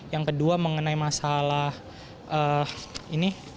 yang kedua mengenai masalah ini